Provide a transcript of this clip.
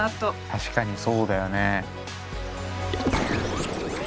確かにそうだよね。